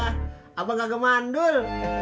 alhamdulillah abang gak kemandul